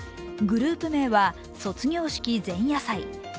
グループ名は卒業式前夜祭。